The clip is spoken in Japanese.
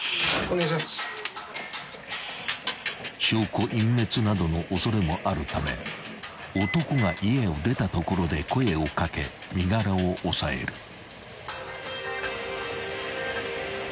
［証拠隠滅などの恐れもあるため男が家を出たところで声を掛け身柄を押さえる］